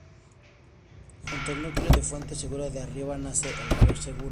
Junto al núcleo de Fuente Segura de Arriba nace el río Segura.